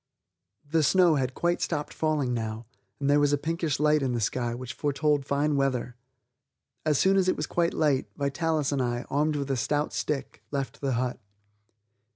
The snow had quite stopped falling now and there was a pinkish light in the sky which foretold fine weather. As soon as it was quite light, Vitalis and I, armed with a stout stick, left the hut.